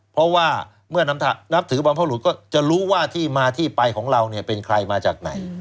เพราะว่าเมื่อนับถือบรรพบรุษก็จะรู้ว่าที่มาที่ไปของเราเนี่ยเป็นใครมาจากไหน